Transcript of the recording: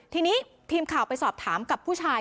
ทีนี้ทีมข่าวไปสอบถามกับผู้ชาย